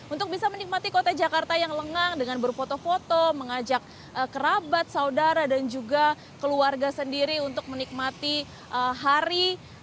untuk bisa menikmati kota jakarta yang lengang dengan berfoto foto mengajak kerabat saudara dan juga keluarga sendiri untuk menikmati hari